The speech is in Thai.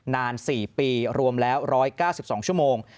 นาน๔ปีรวมแล้ว๑๙๒ชั่วโมง